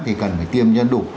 thì cần phải tiêm cho đủ